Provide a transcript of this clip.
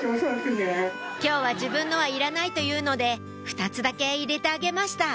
今日は自分のはいらないと言うので２つだけ入れてあげました